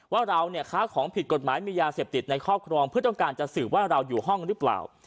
ว่าเราเนี่ยค้าของผิดกฎหมายมียาเสพติดในครอบครองเพื่อต้องการจะสืบว่าเราอยู่ห้องหรือเปล่า